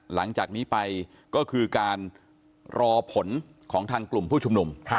หลังจากนี้ไปก็คือการรอผลของทางกลุ่มผู้ชุมนุม